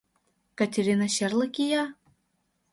— Катерина черле кия?